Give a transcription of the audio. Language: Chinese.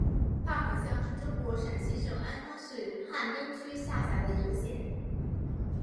坝河乡是中国陕西省安康市汉滨区下辖的一个乡。